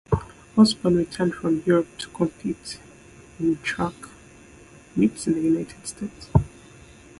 Osborn returned from Europe to compete in track meets in the United States.